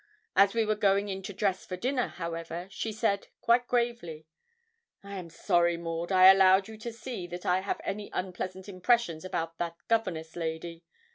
As we were going in to dress for dinner, however, she said, quite gravely 'I am sorry, Maud, I allowed you to see that I have any unpleasant impressions about that governess lady.